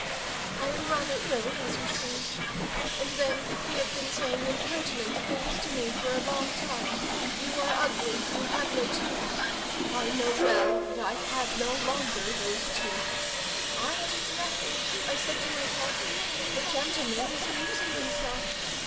I am rather ill, as you see. And then, he had been saying impertinent things to me for a long time: 'You are ugly! you have no teeth!' I know well that I have no longer those teeth. I did nothing; I said to myself, 'The gentleman is amusing himself.